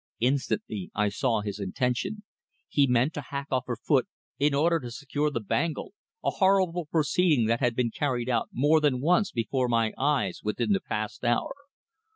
Instantly I saw his intention. He meant to hack off her foot in order to secure the bangle, a horrible proceeding that had been carried out more than once before my eyes within the past hour.